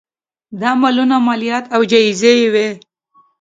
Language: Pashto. دا مالونه مالیات او جزیې وې